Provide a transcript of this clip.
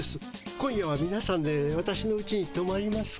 今夜はみなさんで私のうちにとまりますか？